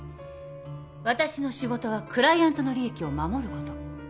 私の仕事はクライアントの利益を守ること。